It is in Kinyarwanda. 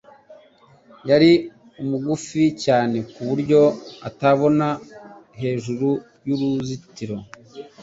Yari mugufi cyane ku buryo atabona hejuru y'uruzitiro.